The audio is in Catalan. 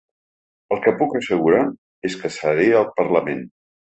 El que puc assegurar és que seré al Parlament.